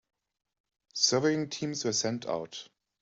Surveying teams were sent out.